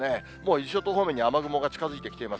伊豆諸島方面に雨雲が近づいてきています。